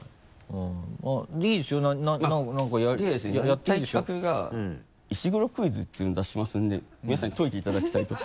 やりたい企画が石黒クイズっていうのを出しますんで皆さんに解いていただきたいと。